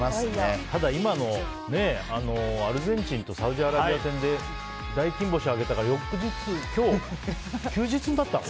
ただ、今のアルゼンチンとサウジアラビア戦で大金星を挙げたから翌日の今日が休日になったの？